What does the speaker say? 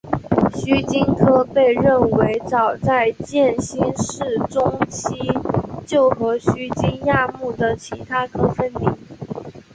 须鲸科被认为早在渐新世中期就和须鲸亚目的其他科分离。